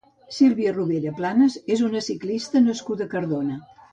Sílvia Rovira Planas és una ciclista nascuda a Cardona.